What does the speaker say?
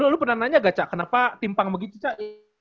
lalu pernah nanya gak cak kenapa timpang begitu cak